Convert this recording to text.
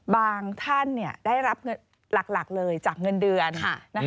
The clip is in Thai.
ท่านได้รับเงินหลักเลยจากเงินเดือน